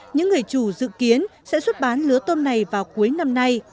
những người chủ dự kiến sẽ xuất bán lứa tôm này vào cuối năm nay